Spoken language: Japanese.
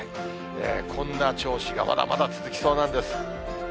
こんな調子がまだまだ続きそうなんです。